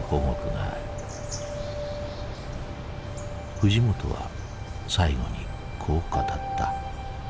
藤本は最後にこう語った。